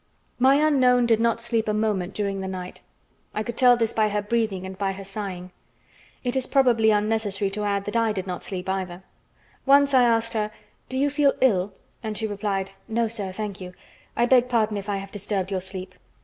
My unknown did not sleep a moment during the night. I could tell this by her breathing and by her sighing. It is probably unnecessary to add that I did not sleep either. Once I asked her: "Do you feel ill?" and she replied: "No, sir, thank you. I beg pardon if I have disturbed your sleep."